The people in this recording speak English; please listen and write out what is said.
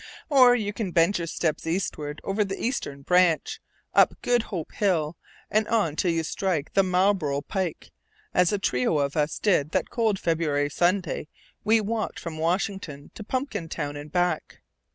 Or you can bend your steps eastward over the Eastern Branch, up Good Hope Hill, and on till you strike the Marlborough pike, as a trio of us did that cold February Sunday we walked from Washington to Pumpkintown and back.